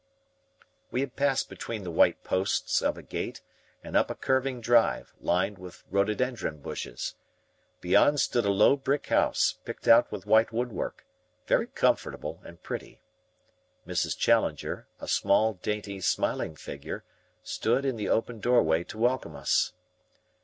We had passed between the white posts of a gate and up a curving drive, lined with rhododendron bushes. Beyond stood a low brick house, picked out with white woodwork, very comfortable and pretty. Mrs. Challenger, a small, dainty, smiling figure, stood in the open doorway to welcome us.